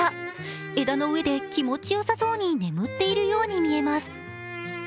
枝の上で気持ちよさそうに眠っているように見えます。